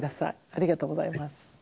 ありがとうございます。